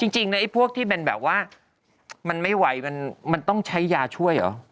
จริงนะไอ้พวกที่เป็นแบบว่ามันไม่ไหวมันต้องใช้ยาช่วยเหรอ